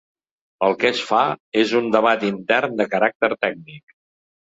El que es fa és un debat intern de caràcter tècnic.